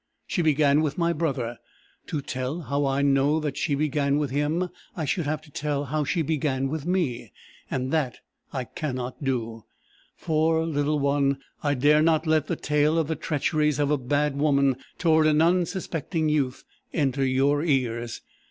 She began with my brother. To tell how I know that she began with him, I should have to tell how she began with me, and that I cannot do; for, little one, I dare not let the tale of the treacheries of a bad woman toward an unsuspecting youth, enter your ears.